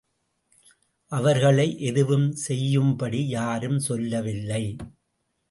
அவர்களை எதுவும் செய்யும்படி யாரும் சொல்லவில்லை.